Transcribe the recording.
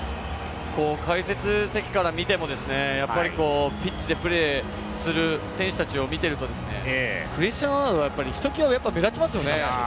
解説席から見てもやっぱりピッチでプレーする選手たちを見ているとクリスティアーノ・ロナウドはひときわ目立ちますよね。